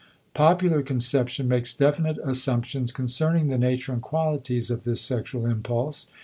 " Popular conception makes definite assumptions concerning the nature and qualities of this sexual impulse.